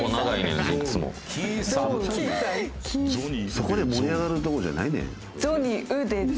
そこで盛り上がるとこじゃないねん。